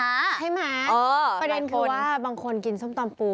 ใช่ไหมประเด็นคือว่าบางคนกินส้มตำปู